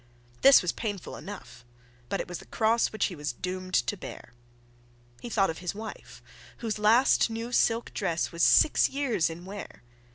This was painful enough; but it was the cross which he was doomed to bear. He thought of his wife, whose last new silk dress was six years in wear.